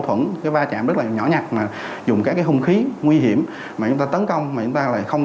thuẫn ba chạm rất nhỏ nhặt mà dùng các hung khí nguy hiểm mà chúng ta tấn công mà chúng ta lại không